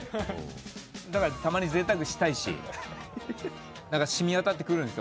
だからたまにぜいたくしたいし、染み渡ってくるんですよ。